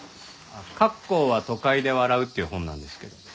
『郭公は都会で笑う』っていう本なんですけど。